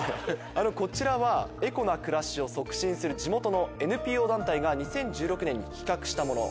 こちらはエコな暮らしを促進する地元のＮＰＯ団体が２０１６年に企画したもの。